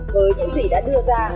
với những gì đã đưa ra